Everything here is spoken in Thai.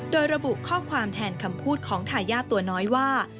โดยระบุข้อความแทนคำพูดของทายาทตัวน้อยว่า